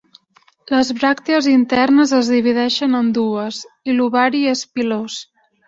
Les bràctees internes es divideixen en dues i l'ovari és pilós.